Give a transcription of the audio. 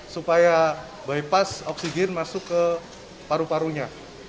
supaya bypass oksigen masuk ke paru parunya